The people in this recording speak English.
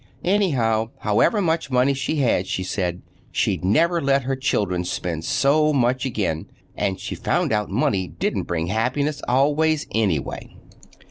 Anyhow, however much money she had, she said, she'd never let her children spend so much again, and she'd found out money didn't bring happiness, always, anyway.